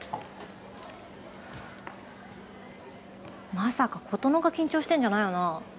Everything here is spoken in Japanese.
まさか琴乃が緊張してんじゃないよな